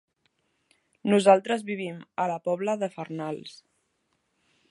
Nosaltres vivim a la Pobla de Farnals.